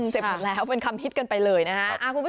เจ็บหมดแล้วเป็นคำฮิตกันไปเลยนะฮะ